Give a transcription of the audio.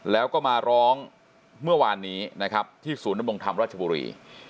แล้วก็มาร้องเมื่อวานนี้ที่ศูนย์ดำรงธรรมรัชบุรี